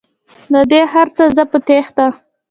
له دې هرڅه زه په تیښته